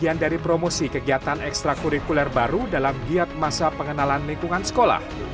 bagian dari promosi kegiatan ekstra kurikuler baru dalam giat masa pengenalan lingkungan sekolah